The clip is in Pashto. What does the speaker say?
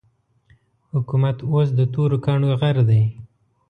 حکومت اوس د تورو کاڼو غر دی.